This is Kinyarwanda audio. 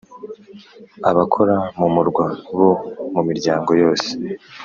Abakora mu murwa bo mu miryango yose